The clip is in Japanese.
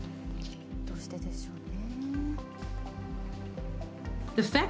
どうしてでしょうね。